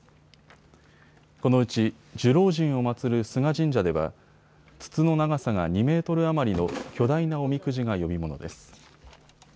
このうち寿老人を祭る須賀神社では筒の長さが２メートル余りの巨大なおみくじが呼び物です。